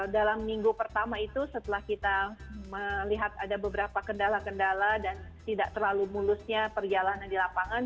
dalam minggu pertama itu setelah kita melihat ada beberapa kendala kendala dan tidak terlalu mulusnya perjalanan di lapangan